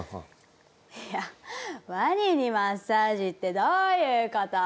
「いやワニにマッサージってどういう事？」。